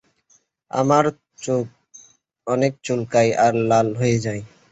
আমার চোখ অনেক চুলকায় আর লাল হয়ে যায়।